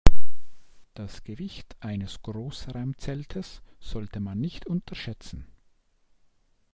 Das Gewicht eines Großraumzeltes sollte man nicht unterschätzen.